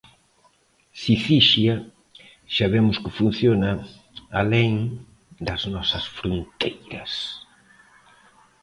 Sicixia xa vemos que funciona alén das nosas fronteiras.